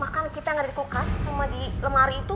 bahkan kita yang ada di kulkas cuma di lemari itu